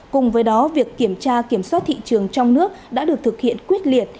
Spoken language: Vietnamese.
cùng với đó việc kiểm tra kiểm soát thị trường trong nước đã được thực hiện quyết liệt